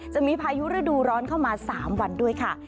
จะมีพายุฤดูร้อนเข้ามา๓วันด้วยค่ะ